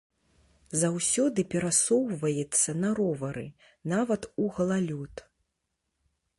Заўсёды перасоўваецца на ровары, нават у галалёд.